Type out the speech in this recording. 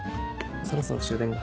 そろそろ終電が。